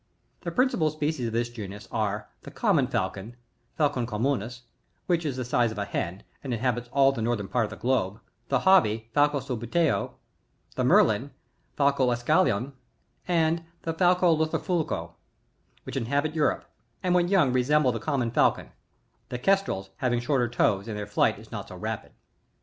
34. The principal species of this genus are; the Common Falcon, — Falc'i communis, — which is of the size of a hen, and Inhabits all the northern part of the globe ; the Hohby, — Falco 9ubbute0y — ^the Merlin, — Fako €Bscalon, and the Falco Htho^ fulco, — which inhabit Europe, and when young resemble the common Falcon ; the Kestrels, have shorter toes and their flight is not so rapid.